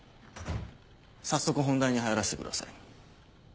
早速本題に入らせてください。